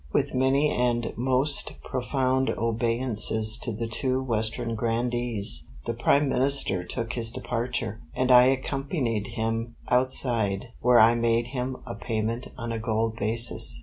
With many and most profound obeisances to the two Western grandees, the Prime Minister took his departure, and I accompanied him outside, where I made him a payment on a gold basis.